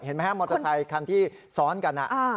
เห็นไหมครับมอเตอร์ไซคันที่ซ้อนกัน